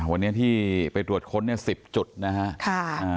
วันนี้ที่ไปดวชค้น๑๐จุดนะคะ